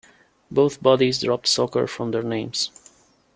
Both bodies dropped "soccer" from their names.